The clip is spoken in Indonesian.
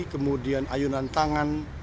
kemudian ayunan tangan